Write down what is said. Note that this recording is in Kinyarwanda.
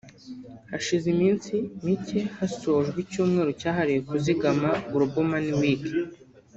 Hashize iminsi mike hasojwe icyumweru cyahariwe kuzigama ‘Global Money Week’’